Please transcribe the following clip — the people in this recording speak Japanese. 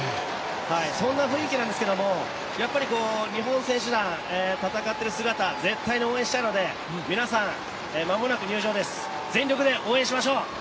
そんな雰囲気なんですけれどもやっぱり日本選手団、戦っている姿絶対に応援したいので、皆さん、間もなく入場です、全力で応援しましょう！